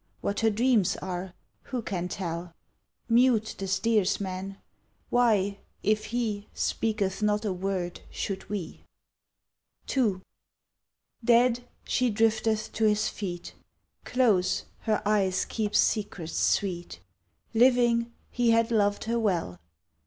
What her dreams are, who can tell? Mute the steersman; why, if he Speaketh not a word, should we? II. Dead, she drifteth to his feet. Close, her eyes keep secrets sweet. Living, he had loved her well.